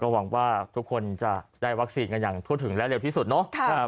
หวังว่าทุกคนจะได้วัคซีนกันอย่างทั่วถึงและเร็วที่สุดเนาะ